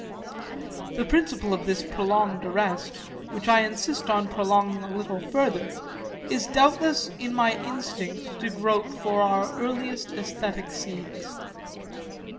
The principle of this prolonged arrest, which I insist on prolonging a little further, is doubtless in my instinct to grope for our earliest æsthetic seeds.